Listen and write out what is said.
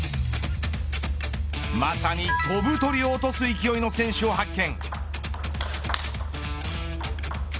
まさに、飛ぶ鳥を落とす勢いの選手を発見。